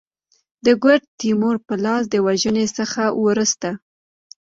د ګوډ تیمور په لاس د وژني څخه وروسته.